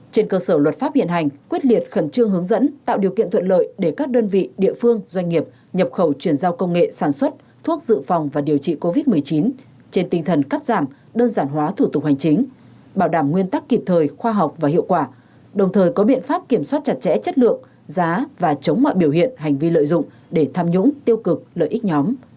ba trên cơ sở luật pháp hiện hành quyết liệt khẩn trương hướng dẫn tạo điều kiện thuận lợi để các đơn vị địa phương doanh nghiệp nhập khẩu chuyển giao công nghệ sản xuất thuốc dự phòng và điều trị covid một mươi chín trên tinh thần cắt giảm đơn giản hóa thủ tục hoành chính bảo đảm nguyên tắc kịp thời khoa học và hiệu quả đồng thời có biện pháp kiểm soát chặt chẽ chất lượng giá và chống mọi biểu hiện hành vi lợi dụng để tham nhũng tiêu cực lợi ích nhóm